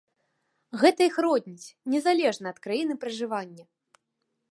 Гэта іх родніць, незалежна ад краіны пражывання!